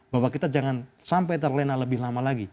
bahwa kita jangan sampai terlena lebih lama lagi